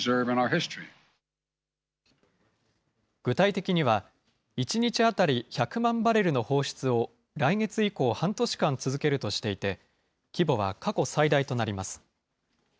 具体的には、１日当たり１００万バレルの放出を来月以降、半年間続けるとしていて、規模は過去最大となります。